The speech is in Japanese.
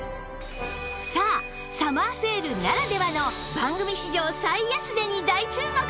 さあサマーセールならではの番組史上最安値に大注目です！